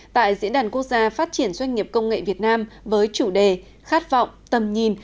tại diễn đàn quốc gia phát triển doanh nghiệp công nghệ việt nam với chủ đề khát vọng tầm nhìn